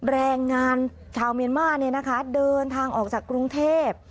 แรงงานชาวเมียนมาร์เนี่ยนะคะเดินทางออกจากกรุงเทพ